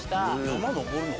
山登るの？